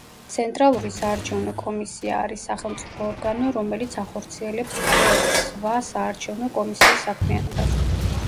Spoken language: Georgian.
ცენტრალური საარჩევნო კომისია არის სახელმწიფო ორგანო, რომელიც ახორციელებს ყველა სხვა საარჩევნო კომისიის საქმიანობას.